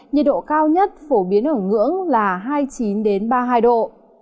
nhiệt độ cao nhất phổ biến ở ngưỡng là hai mươi chín ba mươi hai độ